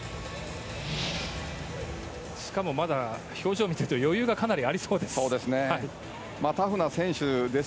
しかも、まだ表情は余裕がかなりありそうです。